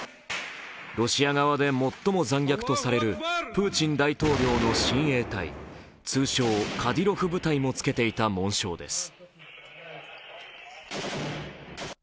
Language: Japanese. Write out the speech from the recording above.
ロシア側で最も残虐とされるプーチン大統領の親衛隊、通称・カディロフ部隊もつけていた紋章です。